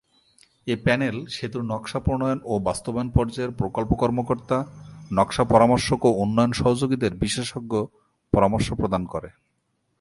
এ panel সেতুর নকশা প্রণয়ন ও বাস্তবায়ন পর্যায়ে প্রকল্প কর্মকর্তা, নকশা পরামর্শক ও উন্নয়ন সহযোগীদের বিশেষজ্ঞ পরামর্শ প্রদান করে।